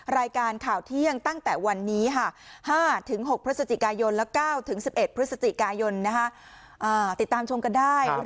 รายการข่าวเที่ยงตั้งแต่วันนี้ค่ะ